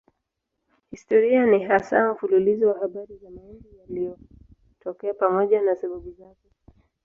Historia ni hasa mfululizo wa habari za mambo yaliyotokea pamoja na sababu zake.